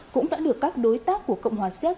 cũng đã được các đối tác của cộng hòa xéc